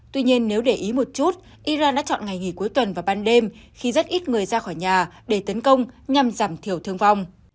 tuy nhiên nếu để ý một chút iran đã chọn ngày nghỉ cuối tuần và ban đêm khi rất ít người ra khỏi nhà để tấn công nhằm giảm thiểu thương vong